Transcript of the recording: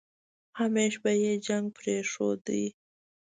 همېش به يې جنګ پرېښوده.